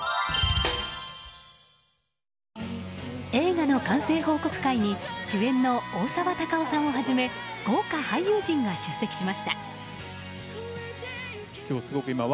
映画の完成報告会に主演の大沢たかおさんをはじめ豪華俳優陣が出席しました。